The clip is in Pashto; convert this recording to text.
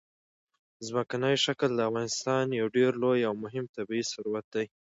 ځمکنی شکل د افغانستان یو ډېر لوی او مهم طبعي ثروت دی.